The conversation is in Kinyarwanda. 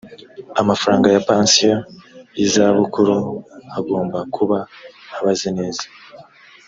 amafaranga ya pansiyo y’izabukuru agomba kuba abaze neza